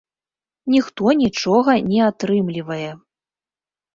Ніхто нічога не атрымлівае.